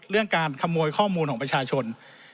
เรื่องการขโมยข้อมูลของประชาชน